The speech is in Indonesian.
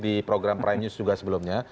di program prime news juga sebelumnya